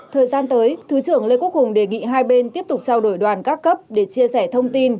thời gian tới thứ trưởng lê quốc hùng đề nghị hai bên tiếp tục trao đổi đoàn các cấp để chia sẻ thông tin